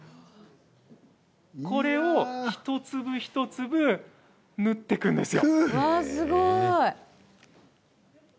これを一粒一粒縫っていくんですよ。